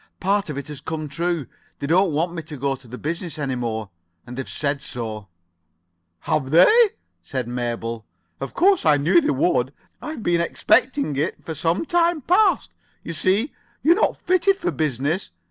Part of it has come true. They don't want me to go to the business any more, and they've said so." "Have they?" said Mabel. "Of course I knew they would. I've been expecting it for some time past. You see, you're not fitted for business.